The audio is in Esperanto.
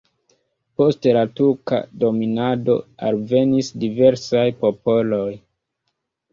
Post la turka dominado alvenis diversaj popoloj.